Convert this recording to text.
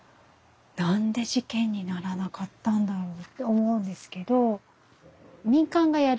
何で事件にならなかったんだろうって思うんですけど。